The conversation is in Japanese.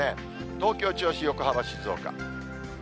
東京、銚子、横浜、静岡。